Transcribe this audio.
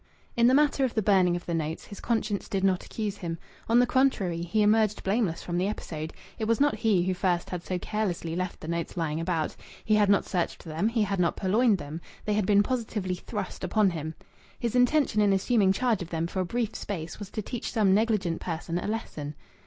In the matter of the burning of the notes his conscience did not accuse him. On the contrary, he emerged blameless from the episode. It was not he who first had so carelessly left the notes lying about. He had not searched for them, he had not purloined them. They had been positively thrust upon him. His intention in assuming charge of them for a brief space was to teach some negligent person a lesson.